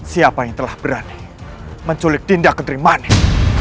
siapa yang telah berani menculik dinda kenteri manik